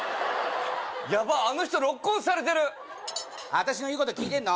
ヤバッあの人ロックオンされてる私の言うこと聞いてんの？